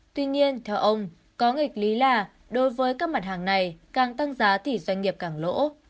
tuy nhiên theo ông có nghịch lý là đối với các mặt hàng này càng tăng giá thì doanh nghiệp càng lỗ